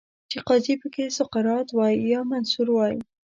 چې قاضي پکې سقراط وای، یا منصور وای